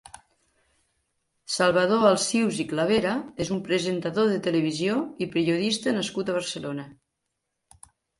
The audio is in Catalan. Salvador Alsius i Clavera és un presentador de televisió i periodista nascut a Barcelona.